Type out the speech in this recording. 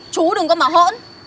chú đừng có mà hỗn